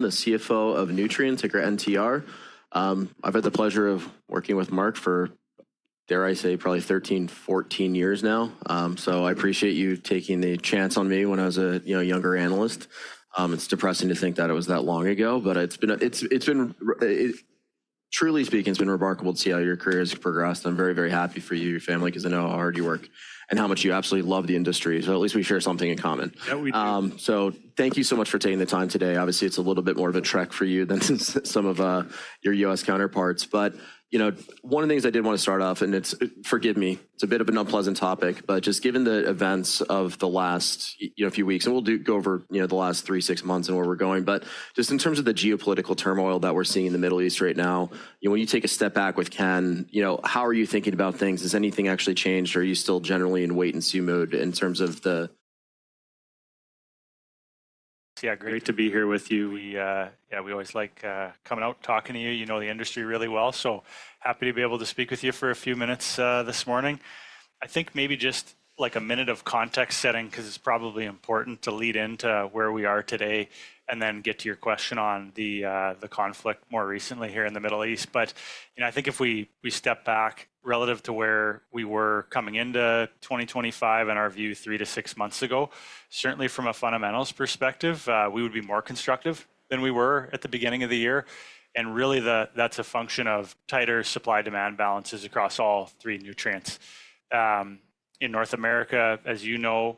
The CFO of Nutrien, ticker NTR. I've had the pleasure of working with Mark for, dare I say, probably 13, 14 years now. I appreciate you taking the chance on me when I was a younger analyst. It's depressing to think that it was that long ago, but it's been, truly speaking, it's been remarkable to see how your career has progressed. I'm very, very happy for you and your family because I know how hard you work and how much you absolutely love the industry. At least we share something in common. Yeah, we do. Thank you so much for taking the time today. Obviously, it's a little bit more of a trek for you than some of your U.S. counterparts. One of the things I did want to start off, and forgive me, it's a bit of an unpleasant topic, but just given the events of the last few weeks, and we'll go over the last three, six months and where we're going, but just in terms of the geopolitical turmoil that we're seeing in the Middle East right now, when you take a step back with Ken, how are you thinking about things? Has anything actually changed? Are you still generally in wait-and-see mode in terms of the... Yeah, great to be here with you. Yeah, we always like coming out and talking to you. You know the industry really well. So happy to be able to speak with you for a few minutes this morning. I think maybe just like a minute of context setting because it's probably important to lead into where we are today and then get to your question on the conflict more recently here in the Middle East. I think if we step back relative to where we were coming into 2025 and our view three to six months ago, certainly from a fundamentals perspective, we would be more constructive than we were at the beginning of the year. Really, that's a function of tighter supply-demand balances across all three nutrients. In North America, as you know,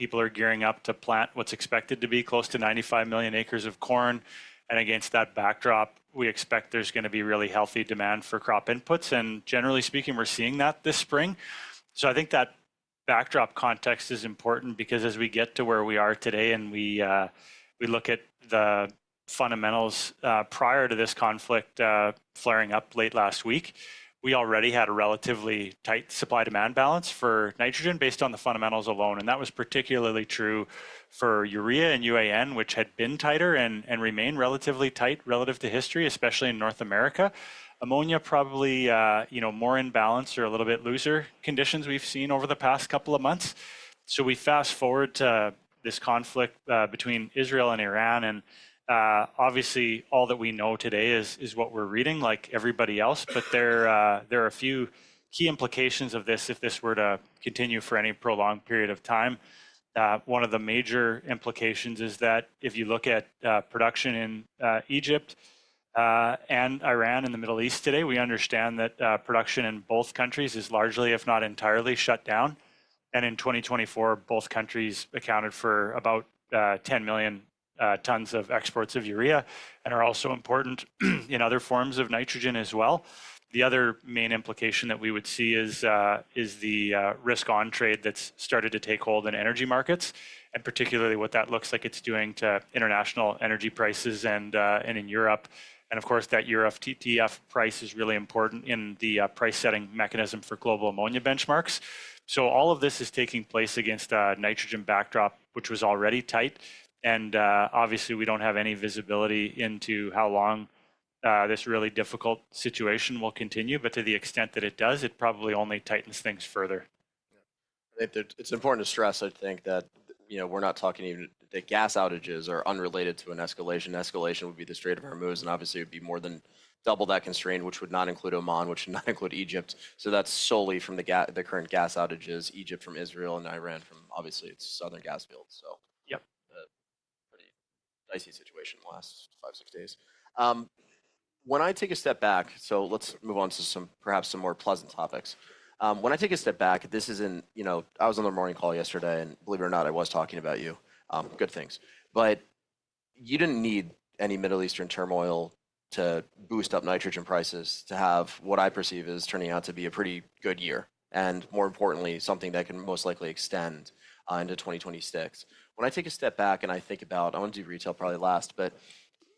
people are gearing up to plant what is expected to be close to 95 million acres of corn. Against that backdrop, we expect there is going to be really healthy demand for crop inputs. Generally speaking, we are seeing that this spring. I think that backdrop context is important because as we get to where we are today and we look at the fundamentals prior to this conflict flaring up late last week, we already had a relatively tight supply-demand balance for nitrogen based on the fundamentals alone. That was particularly true for urea and UAN, which had been tighter and remained relatively tight relative to history, especially in North America. Ammonia probably more in balance or a little bit looser conditions we have seen over the past couple of months. We fast forward to this conflict between Israel and Iran. Obviously, all that we know today is what we're reading like everybody else. There are a few key implications of this if this were to continue for any prolonged period of time. One of the major implications is that if you look at production in Egypt and Iran and the Middle East today, we understand that production in both countries is largely, if not entirely, shut down. In 2024, both countries accounted for about 10 million tons of exports of urea and are also important in other forms of nitrogen as well. The other main implication that we would see is the risk on trade that's started to take hold in energy markets and particularly what that looks like it's doing to international energy prices and in Europe. Of course, that Euro TTF price is really important in the price-setting mechanism for global ammonia benchmarks. All of this is taking place against a nitrogen backdrop, which was already tight. Obviously, we do not have any visibility into how long this really difficult situation will continue. To the extent that it does, it probably only tightens things further. It's important to stress, I think, that we're not talking, even the gas outages are unrelated to an escalation. Escalation would be the Strait of Hormuz. Obviously, it would be more than double that constraint, which would not include Oman, which would not include Egypt. That's solely from the current gas outages, Egypt from Israel, and Iran from, obviously, its southern gas field. Pretty dicey situation in the last five, six days. When I take a step back, let's move on to perhaps some more pleasant topics. When I take a step back, this isn't—I was on the morning call yesterday, and believe it or not, I was talking about you. Good things. You did not need any Middle Eastern turmoil to boost up nitrogen prices to have what I perceive as turning out to be a pretty good year and, more importantly, something that can most likely extend into 2026. When I take a step back and I think about, I want to do retail probably last, but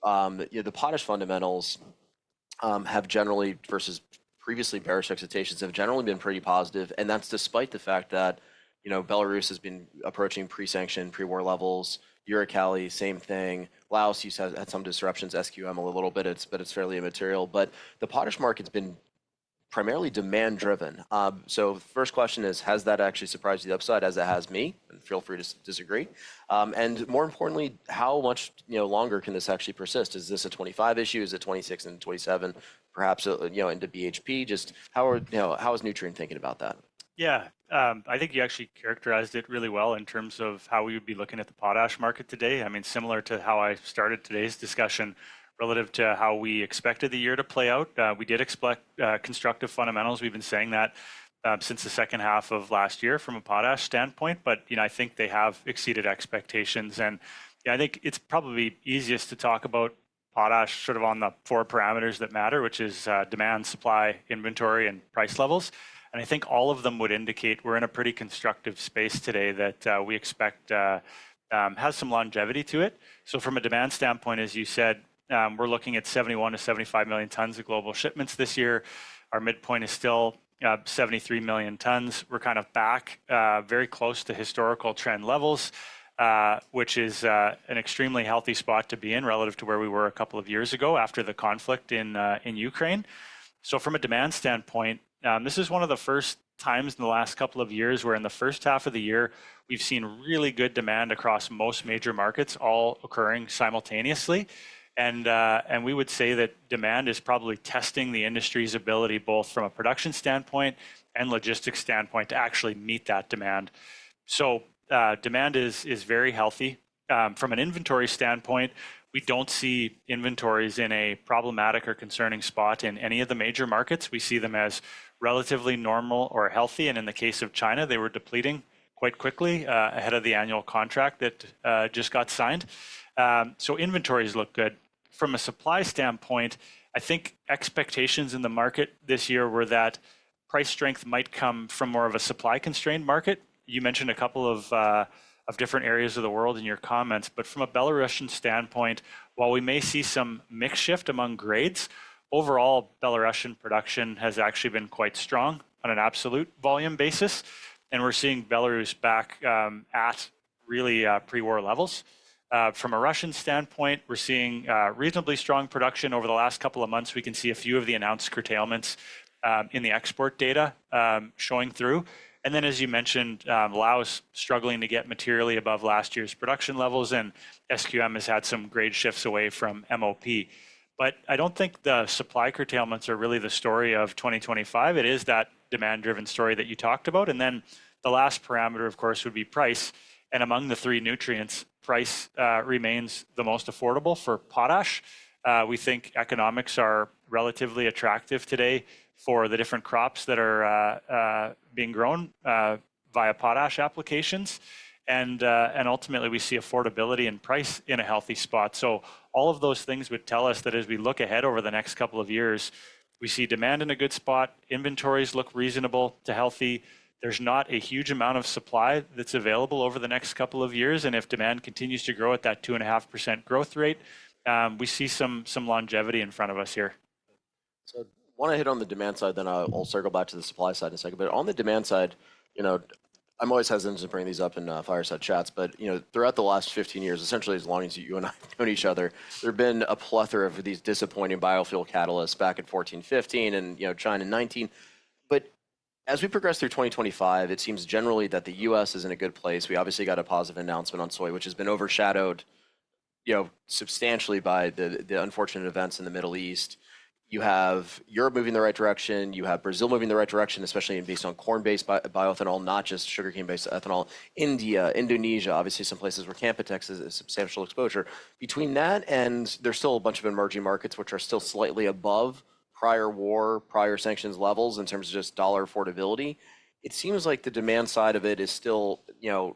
the potash fundamentals have generally, versus previously bearish expectations, have generally been pretty positive. That is despite the fact that Belarus has been approaching pre-sanction, pre-war levels. Uralkali, same thing. Laos has had some disruptions, SQM a little bit, but it is fairly immaterial. The potash market has been primarily demand-driven. The first question is, has that actually surprised to the upside as it has me? Feel free to disagree. More importantly, how much longer can this actually persist? Is this a 2025 issue? Is it 2026 and 2027, perhaps into BHP? Just how is Nutrien thinking about that? Yeah, I think you actually characterized it really well in terms of how we would be looking at the potash market today. I mean, similar to how I started today's discussion relative to how we expected the year to play out. We did expect constructive fundamentals. We've been saying that since the second half of last year from a potash standpoint. I think they have exceeded expectations. I think it's probably easiest to talk about potash sort of on the four parameters that matter, which is demand, supply, inventory, and price levels. I think all of them would indicate we're in a pretty constructive space today that we expect has some longevity to it. From a demand standpoint, as you said, we're looking at 71-75 million tons of global shipments this year. Our midpoint is still 73 million tons. We're kind of back very close to historical trend levels, which is an extremely healthy spot to be in relative to where we were a couple of years ago after the conflict in Ukraine. From a demand standpoint, this is one of the first times in the last couple of years where in the first half of the year, we've seen really good demand across most major markets, all occurring simultaneously. We would say that demand is probably testing the industry's ability both from a production standpoint and logistics standpoint to actually meet that demand. Demand is very healthy. From an inventory standpoint, we don't see inventories in a problematic or concerning spot in any of the major markets. We see them as relatively normal or healthy. In the case of China, they were depleting quite quickly ahead of the annual contract that just got signed. Inventories look good. From a supply standpoint, I think expectations in the market this year were that price strength might come from more of a supply-constrained market. You mentioned a couple of different areas of the world in your comments. From a Belarusian standpoint, while we may see some mixed shift among grades, overall, Belarusian production has actually been quite strong on an absolute volume basis. We are seeing Belarus back at really pre-war levels. From a Russian standpoint, we are seeing reasonably strong production over the last couple of months. We can see a few of the announced curtailments in the export data showing through. As you mentioned, Laos is struggling to get materially above last year's production levels. SQM has had some grade shifts away from MOP. I do not think the supply curtailments are really the story of 2025. It is that demand-driven story that you talked about. The last parameter, of course, would be price. Among the three nutrients, price remains the most affordable for potash. We think economics are relatively attractive today for the different crops that are being grown via potash applications. Ultimately, we see affordability and price in a healthy spot. All of those things would tell us that as we look ahead over the next couple of years, we see demand in a good spot. Inventories look reasonable to healthy. There is not a huge amount of supply that is available over the next couple of years. If demand continues to grow at that 2.5% growth rate, we see some longevity in front of us here. I want to hit on the demand side, then I'll circle back to the supply side in a second. On the demand side, I'm always hesitant to bring these up in fireside chats. Throughout the last 15 years, essentially as long as you and I know each other, there have been a plethora of these disappointing biofuel catalysts back in 2014-2015 and China in 2019. As we progress through 2025, it seems generally that the U.S. is in a good place. We obviously got a positive announcement on soy, which has been overshadowed substantially by the unfortunate events in the Middle East. You have Europe moving in the right direction. You have Brazil moving in the right direction, especially based on corn-based bioethanol, not just sugarcane-based ethanol. India, Indonesia, obviously some places where Canpotex is a substantial exposure. Between that, and there is still a bunch of emerging markets which are still slightly above prior war, prior sanctions levels in terms of just dollar affordability. It seems like the demand side of it still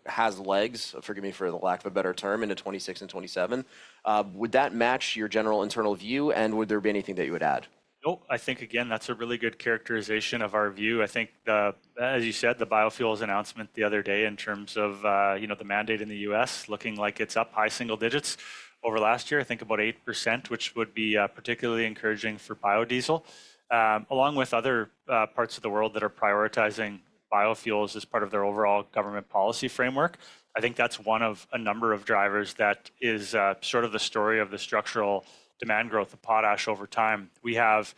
has legs, forgive me for the lack of a better term, into 2026 and 2027. Would that match your general internal view? And would there be anything that you would add? Nope. I think, again, that's a really good characterization of our view. I think, as you said, the biofuels announcement the other day in terms of the mandate in the U.S. looking like it's up high single digits over last year, I think about 8%, which would be particularly encouraging for biodiesel, along with other parts of the world that are prioritizing biofuels as part of their overall government policy framework. I think that's one of a number of drivers that is sort of the story of the structural demand growth of potash over time. We have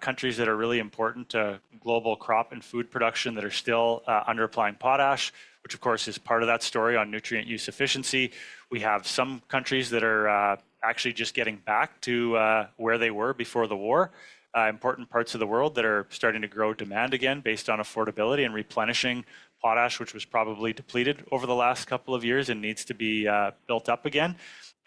countries that are really important to global crop and food production that are still underapplying potash, which, of course, is part of that story on nutrient use efficiency. We have some countries that are actually just getting back to where they were before the war, important parts of the world that are starting to grow demand again based on affordability and replenishing potash, which was probably depleted over the last couple of years and needs to be built up again.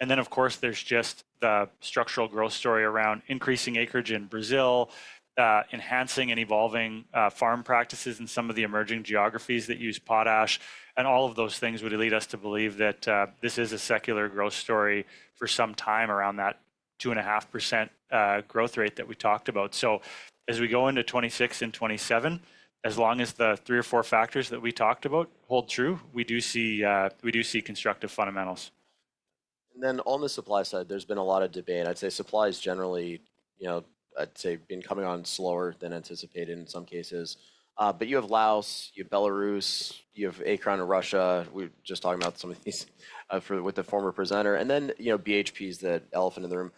Of course, there is just the structural growth story around increasing acreage in Brazil, enhancing and evolving farm practices in some of the emerging geographies that use potash. All of those things would lead us to believe that this is a secular growth story for some time around that 2.5% growth rate that we talked about. As we go into 2026 and 2027, as long as the three or four factors that we talked about hold true, we do see constructive fundamentals. On the supply side, there has been a lot of debate. I would say supply has generally, I would say, been coming on slower than anticipated in some cases. You have Laos, you have Belarus, you have Acron, Russia. We were just talking about some of these with the former presenter. BHP is the elephant in the room.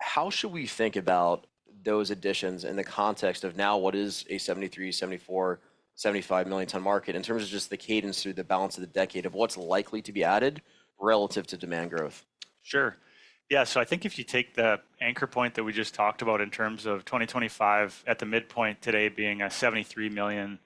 How should we think about those additions in the context of what is now a 73, 74, 75 million ton market in terms of just the cadence through the balance of the decade of what is likely to be added relative to demand growth? Sure. Yeah. So I think if you take the anchor point that we just talked about in terms of 2025 at the midpoint today being a 73 million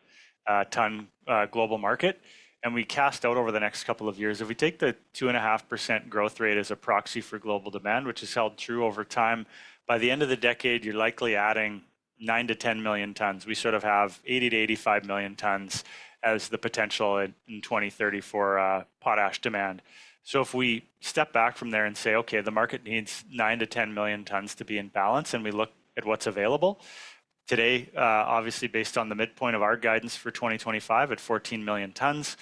ton global market, and we cast out over the next couple of years, if we take the 2.5% growth rate as a proxy for global demand, which has held true over time, by the end of the decade, you're likely adding 9-10 million tons. We sort of have 80-85 million tons as the potential in 2030 for potash demand. If we step back from there and say, "Okay, the market needs 9-10 million tons to be in balance," and we look at what's available today, obviously, based on the midpoint of our guidance for 2025 at 14 million tons,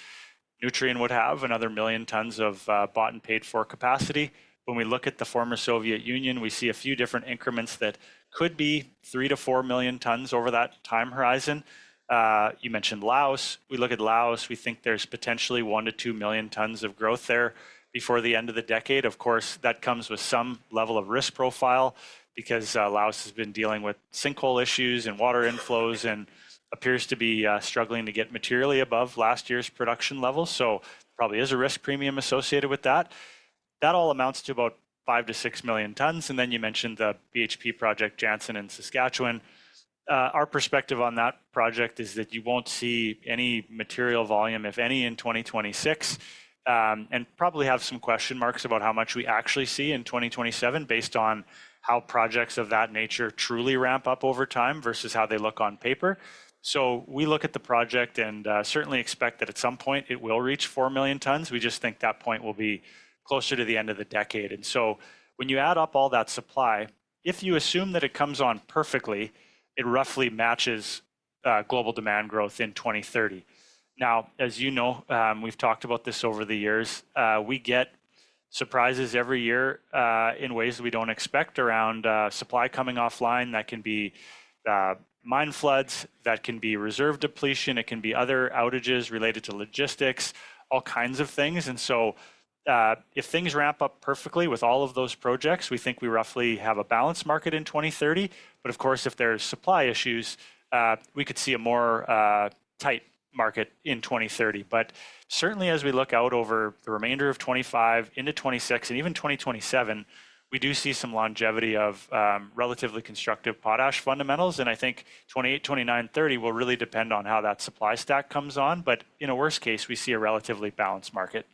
Nutrien would have another million tons of bought and paid for capacity. When we look at the former Soviet Union, we see a few different increments that could be 3-4 million tons over that time horizon. You mentioned Laos. We look at Laos. We think there is potentially 1-2 million tons of growth there before the end of the decade. Of course, that comes with some level of risk profile because Laos has been dealing with sinkhole issues and water inflows and appears to be struggling to get materially above last year's production levels. There probably is a risk premium associated with that. That all amounts to about 5-6 million tons. You mentioned the BHP project, Jansen in Saskatchewan. Our perspective on that project is that you won't see any material volume, if any, in 2026 and probably have some question marks about how much we actually see in 2027 based on how projects of that nature truly ramp up over time versus how they look on paper. We look at the project and certainly expect that at some point it will reach 4 million tons. We just think that point will be closer to the end of the decade. When you add up all that supply, if you assume that it comes on perfectly, it roughly matches global demand growth in 2030. As you know, we've talked about this over the years. We get surprises every year in ways we don't expect around supply coming offline. That can be mine floods. That can be reserve depletion. It can be other outages related to logistics, all kinds of things. If things ramp up perfectly with all of those projects, we think we roughly have a balanced market in 2030. Of course, if there are supply issues, we could see a more tight market in 2030. Certainly, as we look out over the remainder of 2025 into 2026 and even 2027, we do see some longevity of relatively constructive potash fundamentals. I think 2028, 2029, 2030 will really depend on how that supply stack comes on. In a worst case, we see a relatively balanced market.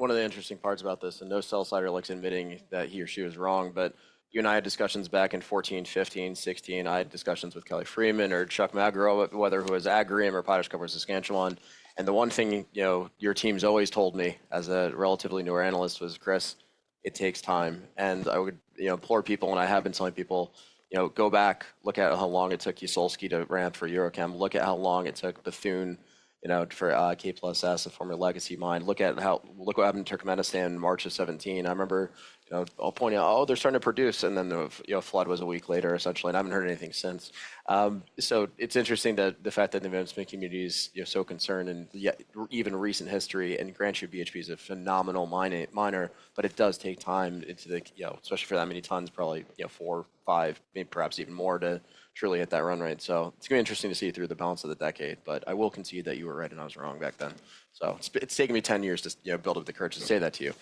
One of the interesting parts about this, and no sell-sider likes admitting that he or she was wrong, but you and I had discussions back in 2014, 2015, 2016. I had discussions with Kelly Freeman or Chuck Magro, whether it was Agrium or PotashCorp of Saskatchewan. The one thing your team's always told me as a relatively newer analyst was, "Chris, it takes time." I would implore people, and I have been telling people, "Go back, look at how long it took Usolskiy to ramp for Eurochem. Look at how long it took Bethune for K+S, the former legacy mine. Look at what happened in Turkmenistan in March of 2017." I remember I'll point out, "Oh, they're starting to produce." The flood was a week later, essentially. I haven't heard anything since. It's interesting that the fact that the management community is so concerned in even recent history, and granted, BHP is a phenomenal miner, but it does take time, especially for that many tons, probably four, five, maybe perhaps even more to truly hit that run rate. It's going to be interesting to see through the balance of the decade. I will concede that you were right and I was wrong back then. It's taken me 10 years to build up the courage to say that to you.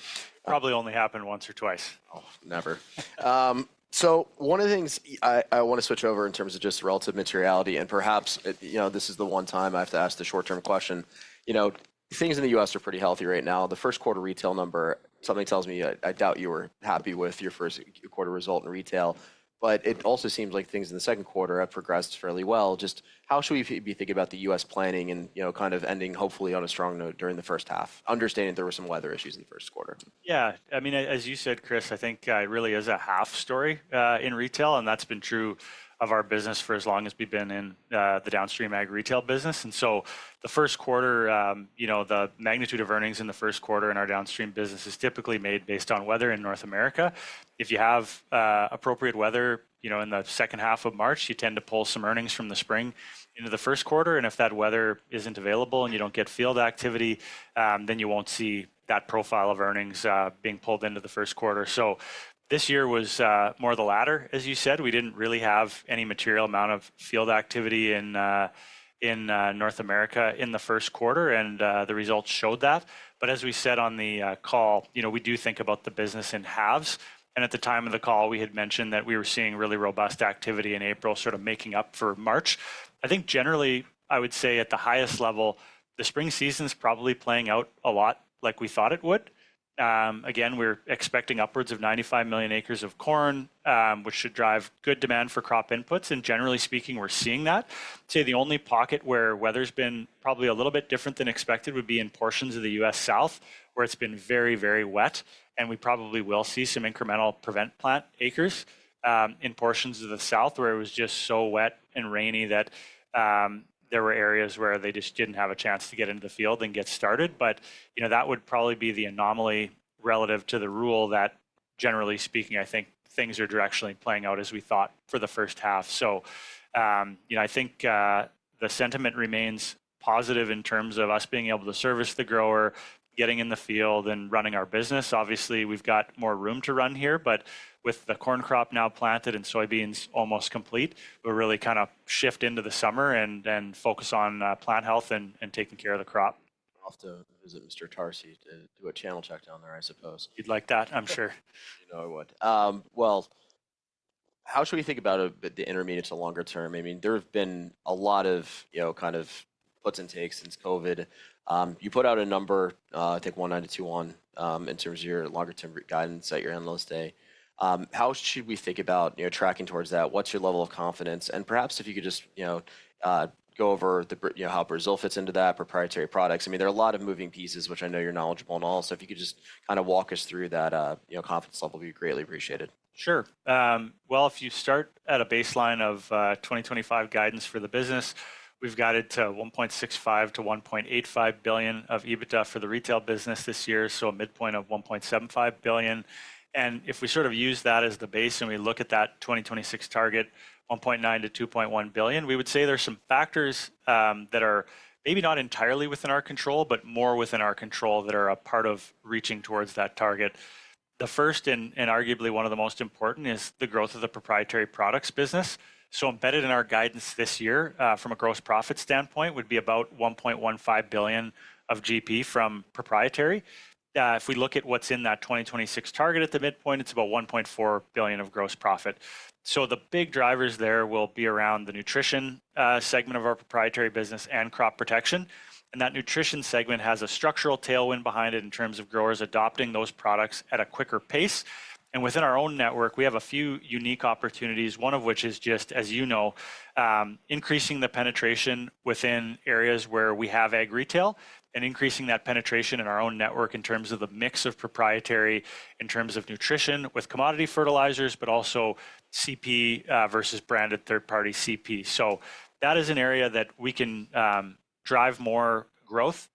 Probably only happened once or twice. Oh, never. One of the things I want to switch over in terms of just relative materiality. Perhaps this is the one time I have to ask the short-term question. Things in the U.S. are pretty healthy right now. The first quarter retail number, something tells me I doubt you were happy with your first quarter result in retail. It also seems like things in the second quarter have progressed fairly well. Just how should we be thinking about the U.S. planning and kind of ending hopefully on a strong note during the first half, understanding there were some weather issues in the first quarter? Yeah. I mean, as you said, Chris, I think it really is a half story in retail. And that's been true of our business for as long as we've been in the downstream ag retail business. The first quarter, the magnitude of earnings in the first quarter in our downstream business is typically made based on weather in North America. If you have appropriate weather in the second half of March, you tend to pull some earnings from the spring into the first quarter. If that weather isn't available and you don't get field activity, then you won't see that profile of earnings being pulled into the first quarter. This year was more of the latter, as you said. We didn't really have any material amount of field activity in North America in the first quarter. The results showed that. As we said on the call, we do think about the business in halves. At the time of the call, we had mentioned that we were seeing really robust activity in April, sort of making up for March. I think generally, I would say at the highest level, the spring season is probably playing out a lot like we thought it would. Again, we're expecting upwards of 95 million acres of corn, which should drive good demand for crop inputs. Generally speaking, we're seeing that. I'd say the only pocket where weather has been probably a little bit different than expected would be in portions of the U.S. South where it has been very, very wet. We probably will see some incremental prevent plant acres in portions of the south where it was just so wet and rainy that there were areas where they just did not have a chance to get into the field and get started. That would probably be the anomaly relative to the rule that, generally speaking, I think things are directionally playing out as we thought for the first half. I think the sentiment remains positive in terms of us being able to service the grower, getting in the field and running our business. Obviously, we have more room to run here. With the corn crop now planted and soybeans almost complete, we will really kind of shift into the summer and focus on plant health and taking care of the crop. I'll have to visit Mr. Tarsi to do a channel check down there, I suppose. You'd like that, I'm sure. I know I would. How should we think about the intermediate to longer term? I mean, there have been a lot of kind of puts and takes since COVID. You put out a number, I think 1921, in terms of your longer-term guidance at your analyst day. How should we think about tracking towards that? What's your level of confidence? And perhaps if you could just go over how Brazil fits into that, proprietary products. I mean, there are a lot of moving pieces, which I know you're knowledgeable in all. If you could just kind of walk us through that confidence level, we'd greatly appreciate it. Sure. If you start at a baseline of 2025 guidance for the business, we've guided to $1.65 billion-$1.85 billion of EBITDA for the retail business this year, so a midpoint of $1.75 billion. If we sort of use that as the base and we look at that 2026 target, $1.9 billion-$2.1 billion, we would say there's some factors that are maybe not entirely within our control, but more within our control that are a part of reaching towards that target. The first and arguably one of the most important is the growth of the proprietary products business. Embedded in our guidance this year from a gross profit standpoint would be about $1.15 billion of GP from proprietary. If we look at what's in that 2026 target at the midpoint, it's about $1.4 billion of gross profit. The big drivers there will be around the nutrition segment of our proprietary business and crop protection. That nutrition segment has a structural tailwind behind it in terms of growers adopting those products at a quicker pace. Within our own network, we have a few unique opportunities, one of which is just, as you know, increasing the penetration within areas where we have ag retail and increasing that penetration in our own network in terms of the mix of proprietary in terms of nutrition with commodity fertilizers, but also CP versus branded third-party CP. That is an area that we can drive more growth,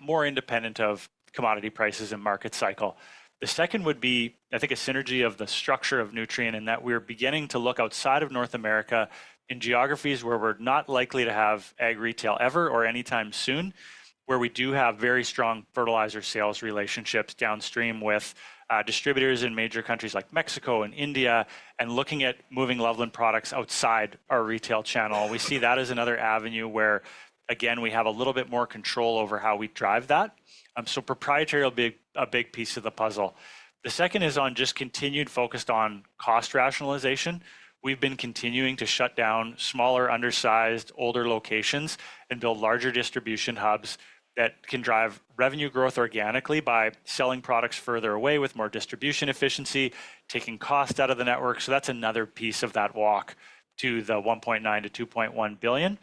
more independent of commodity prices and market cycle. The second would be, I think, a synergy of the structure of Nutrien in that we're beginning to look outside of North America in geographies where we're not likely to have ag retail ever or anytime soon, where we do have very strong fertilizer sales relationships downstream with distributors in major countries like Mexico and India, and looking at moving Loveland products outside our retail channel. We see that as another avenue where, again, we have a little bit more control over how we drive that. So proprietary will be a big piece of the puzzle. The second is on just continued focus on cost rationalization. We've been continuing to shut down smaller, undersized, older locations and build larger distribution hubs that can drive revenue growth organically by selling products further away with more distribution efficiency, taking cost out of the network. That is another piece of that walk to the $1.9 billion-$2.1 billion.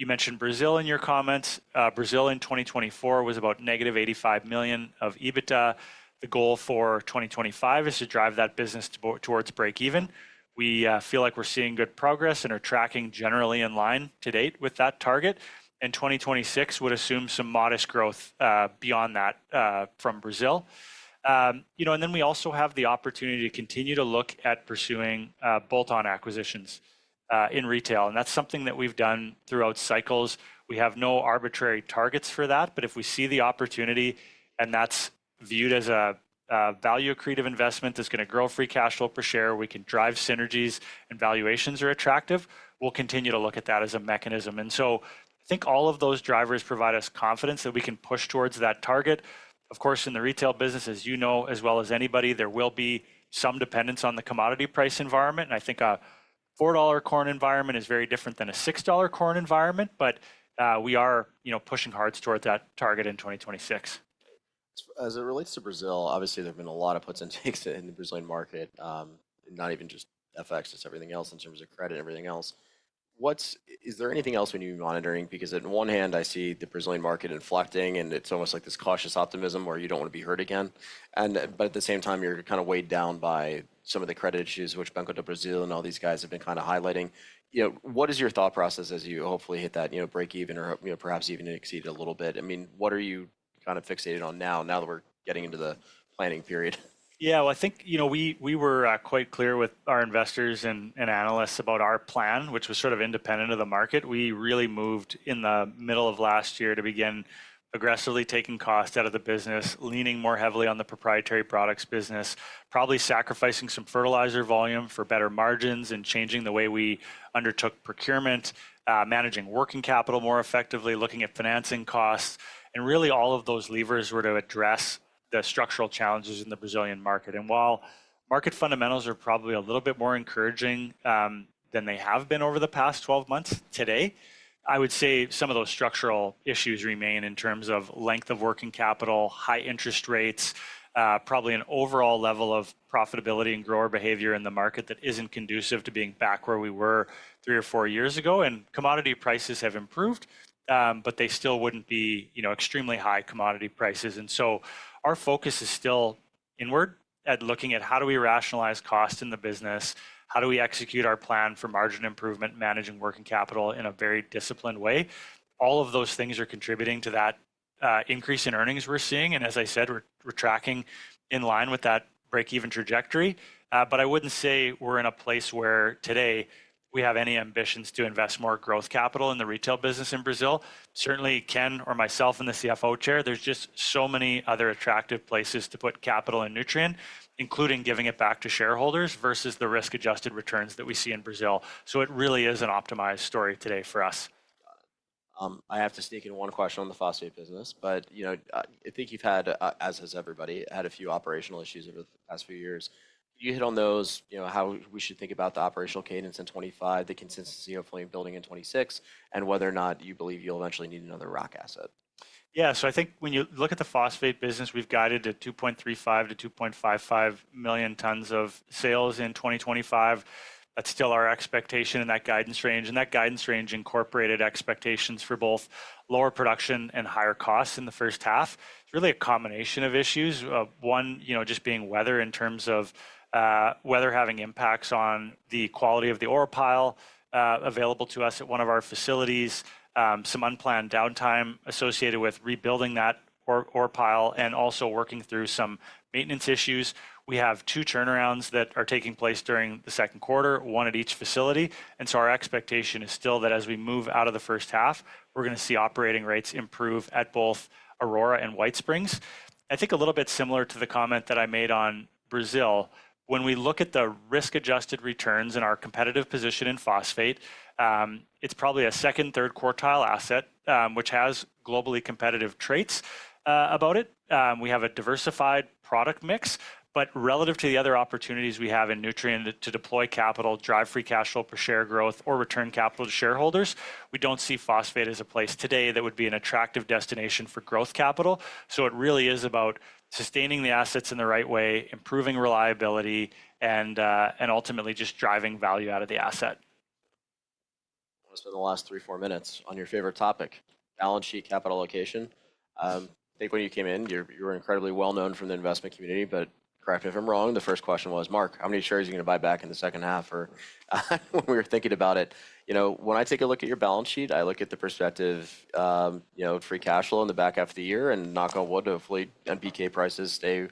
You mentioned Brazil in your comments. Brazil in 2024 was about negative $85 million of EBITDA. The goal for 2025 is to drive that business towards break-even. We feel like we are seeing good progress and are tracking generally in line to date with that target. 2026 would assume some modest growth beyond that from Brazil. We also have the opportunity to continue to look at pursuing bolt-on acquisitions in retail. That is something that we have done throughout cycles. We have no arbitrary targets for that. If we see the opportunity and that is viewed as a value-accretive investment that is going to grow free cash flow per share, we can drive synergies and valuations are attractive. We will continue to look at that as a mechanism. I think all of those drivers provide us confidence that we can push towards that target. Of course, in the retail business, as you know as well as anybody, there will be some dependence on the commodity price environment. I think a $4 corn environment is very different than a $6 corn environment. We are pushing hard towards that target in 2026. As it relates to Brazil, obviously, there have been a lot of puts and takes in the Brazilian market, not even just FX, just everything else in terms of credit, everything else. Is there anything else we need to be monitoring? Because on one hand, I see the Brazilian market inflecting, and it is almost like this cautious optimism where you do not want to be hurt again. At the same time, you are kind of weighed down by some of the credit issues, which Banco do Brasil and all these guys have been kind of highlighting. What is your thought process as you hopefully hit that break-even or perhaps even exceed it a little bit? I mean, what are you kind of fixated on now, now that we are getting into the planning period? Yeah, I think we were quite clear with our investors and analysts about our plan, which was sort of independent of the market. We really moved in the middle of last year to begin aggressively taking cost out of the business, leaning more heavily on the proprietary products business, probably sacrificing some fertilizer volume for better margins and changing the way we undertook procurement, managing working capital more effectively, looking at financing costs. All of those levers were to address the structural challenges in the Brazilian market. While market fundamentals are probably a little bit more encouraging than they have been over the past 12 months today, I would say some of those structural issues remain in terms of length of working capital, high interest rates, probably an overall level of profitability and grower behavior in the market that is not conducive to being back where we were three or four years ago. Commodity prices have improved, but they still would not be extremely high commodity prices. Our focus is still inward at looking at how do we rationalize cost in the business, how do we execute our plan for margin improvement, managing working capital in a very disciplined way. All of those things are contributing to that increase in earnings we are seeing. As I said, we are tracking in line with that break-even trajectory. I would not say we are in a place where today we have any ambitions to invest more growth capital in the retail business in Brazil. Certainly, Ken or myself in the CFO chair, there are just so many other attractive places to put capital in Nutrien, including giving it back to shareholders versus the risk-adjusted returns that we see in Brazil. It really is an optimized story today for us. I have to sneak in one question on the phosphate business. I think you've had, as has everybody, a few operational issues over the past few years. You hit on those, how we should think about the operational cadence in 2025, the consistency of flame building in 2026, and whether or not you believe you'll eventually need another rock asset. Yeah. I think when you look at the phosphate business, we've guided to 2.35-2.55 million tons of sales in 2025. That's still our expectation in that guidance range. That guidance range incorporated expectations for both lower production and higher costs in the first half. It's really a combination of issues, one just being weather in terms of weather having impacts on the quality of the ore pile available to us at one of our facilities, some unplanned downtime associated with rebuilding that ore pile, and also working through some maintenance issues. We have two turnarounds that are taking place during the second quarter, one at each facility. Our expectation is still that as we move out of the first half, we're going to see operating rates improve at both Aurora and White Springs. I think a little bit similar to the comment that I made on Brazil. When we look at the risk-adjusted returns and our competitive position in phosphate, it's probably a second, third quartile asset, which has globally competitive traits about it. We have a diversified product mix. Relative to the other opportunities we have in Nutrien to deploy capital, drive free cash flow per share growth, or return capital to shareholders, we do not see phosphate as a place today that would be an attractive destination for growth capital. It really is about sustaining the assets in the right way, improving reliability, and ultimately just driving value out of the asset. I want to spend the last three, four minutes on your favorite topic, balance sheet capital allocation. I think when you came in, you were incredibly well known from the investment community. But correct me if I'm wrong, the first question was, Mark, how many shares are you going to buy back in the second half? Or when we were thinking about it, when I take a look at your balance sheet, I look at the perspective of free cash flow in the back half of the year and knock on wood, hopefully, NPK prices stay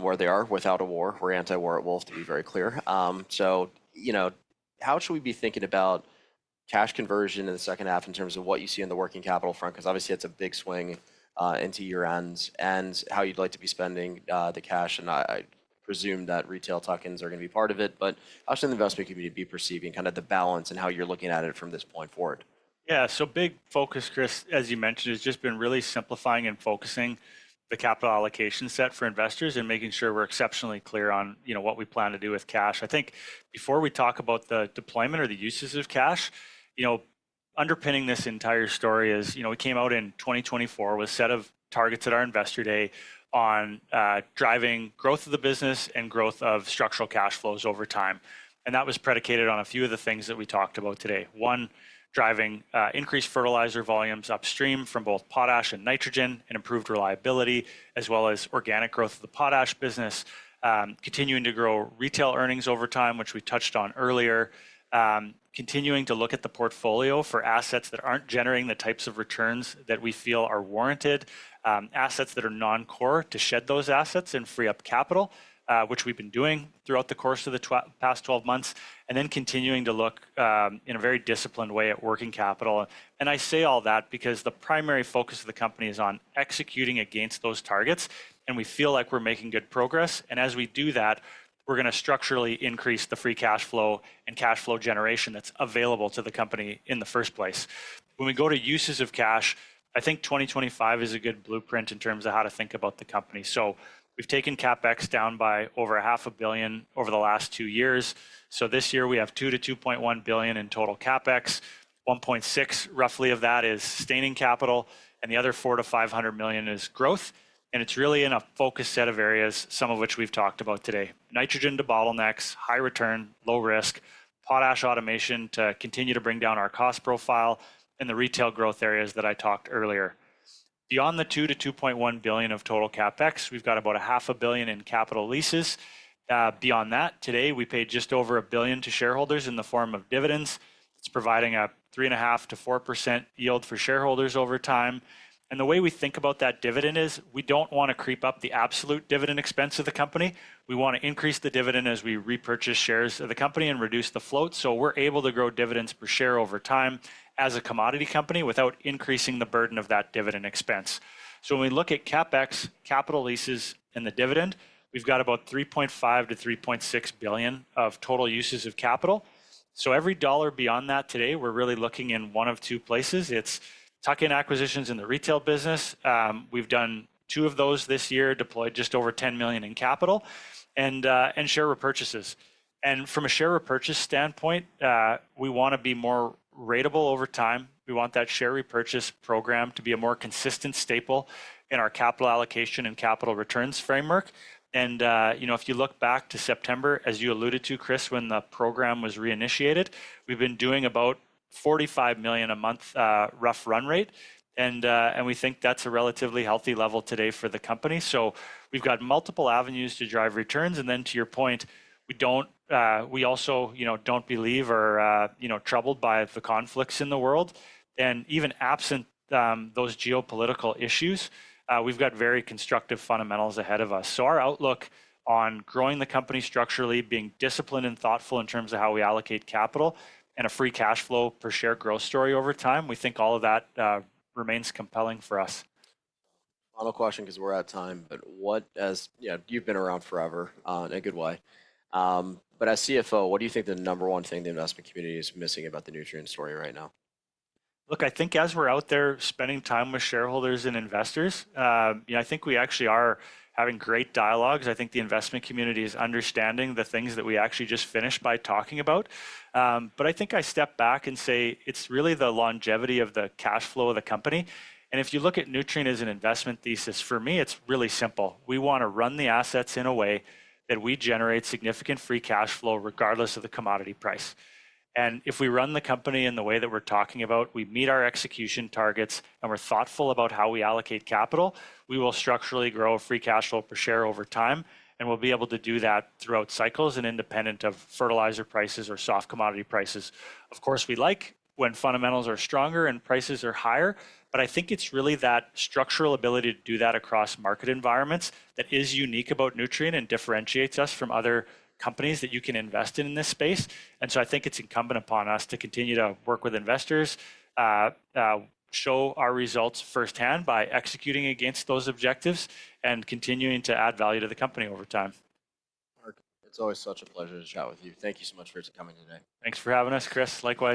where they are without a war or anti-war at Wolf, to be very clear. How should we be thinking about cash conversion in the second half in terms of what you see on the working capital front? Because obviously, it's a big swing into year-ends and how you'd like to be spending the cash. I presume that retail tuck-ins are going to be part of it. How should the investment community be perceiving kind of the balance and how you're looking at it from this point forward? Yeah. Big focus, Chris, as you mentioned, has just been really simplifying and focusing the capital allocation set for investors and making sure we're exceptionally clear on what we plan to do with cash. I think before we talk about the deployment or the uses of cash, underpinning this entire story is we came out in 2024 with a set of targets at our investor day on driving growth of the business and growth of structural cash flows over time. That was predicated on a few of the things that we talked about today. One, driving increased fertilizer volumes upstream from both potash and nitrogen and improved reliability, as well as organic growth of the potash business, continuing to grow retail earnings over time, which we touched on earlier, continuing to look at the portfolio for assets that aren't generating the types of returns that we feel are warranted, assets that are non-core to shed those assets and free up capital, which we've been doing throughout the course of the past 12 months, and then continuing to look in a very disciplined way at working capital. I say all that because the primary focus of the company is on executing against those targets, and we feel like we're making good progress. As we do that, we're going to structurally increase the free cash flow and cash flow generation that's available to the company in the first place. When we go to uses of cash, I think 2025 is a good blueprint in terms of how to think about the company. We have taken CapEx down by over $500 million over the last two years. This year, we have $2 billion-$2.1 billion in total CapEx. $1.6 billion roughly of that is sustaining capital, and the other $400 million-$500 million is growth. It is really in a focus set of areas, some of which we have talked about today: nitrogen debottlenecks, high return, low risk, potash automation to continue to bring down our cost profile, and the retail growth areas that I talked about earlier. Beyond the $2 billion-$2.1 billion of total CapEx, we have about $500 million in capital leases. Beyond that, today, we paid just over $1 billion to shareholders in the form of dividends. It's providing a 3.5%-4% yield for shareholders over time. The way we think about that dividend is we do not want to creep up the absolute dividend expense of the company. We want to increase the dividend as we repurchase shares of the company and reduce the float so we're able to grow dividends per share over time as a commodity company without increasing the burden of that dividend expense. When we look at CapEx, capital leases, and the dividend, we've got about $3.5 billion-$3.6 billion of total uses of capital. Every dollar beyond that today, we're really looking in one of two places. It's tuck-in acquisitions in the retail business. We've done two of those this year, deployed just over $10 million in capital and share repurchases. From a share repurchase standpoint, we want to be more ratable over time. We want that share repurchase program to be a more consistent staple in our capital allocation and capital returns framework. If you look back to September, as you alluded to, Chris, when the program was reinitiated, we have been doing about $45 million a month rough run rate. We think that is a relatively healthy level today for the company. We have multiple avenues to drive returns. To your point, we also do not believe or are troubled by the conflicts in the world. Even absent those geopolitical issues, we have very constructive fundamentals ahead of us. Our outlook on growing the company structurally, being disciplined and thoughtful in terms of how we allocate capital, and a free cash flow per share growth story over time, we think all of that remains compelling for us. Final question because we're out of time. But you've been around forever in a good way. But as CFO, what do you think the number one thing the investment community is missing about the Nutrien story right now? Look, I think as we're out there spending time with shareholders and investors, I think we actually are having great dialogues. I think the investment community is understanding the things that we actually just finished by talking about. I think I step back and say it's really the longevity of the cash flow of the company. If you look at Nutrien as an investment thesis, for me, it's really simple. We want to run the assets in a way that we generate significant free cash flow regardless of the commodity price. If we run the company in the way that we're talking about, we meet our execution targets, and we're thoughtful about how we allocate capital, we will structurally grow free cash flow per share over time. We'll be able to do that throughout cycles and independent of fertilizer prices or soft commodity prices. Of course, we like when fundamentals are stronger and prices are higher. I think it's really that structural ability to do that across market environments that is unique about Nutrien and differentiates us from other companies that you can invest in in this space. I think it's incumbent upon us to continue to work with investors, show our results firsthand by executing against those objectives, and continuing to add value to the company over time. Mark, it's always such a pleasure to chat with you. Thank you so much for coming today. Thanks for having us, Chris. Likewise.